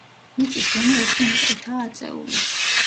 მიწის დონე ერთი მეტრითაა აწეული.